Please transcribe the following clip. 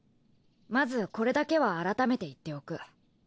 まずこれだけは改めて言っておく。